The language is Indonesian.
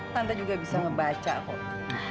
tante juga bisa ngebaca kok